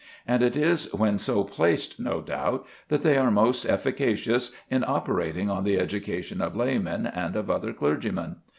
And it is when so placed, no doubt, that they are most efficacious in operating on the education of laymen and of other clergymen.